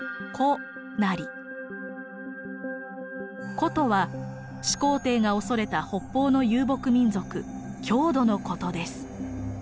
「胡」とは始皇帝が恐れた北方の遊牧民族匈奴のことです。